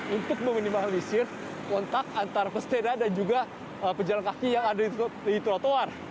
untuk meminimalisir kontak antara pesepeda dan juga pejalan kaki yang ada di trotoar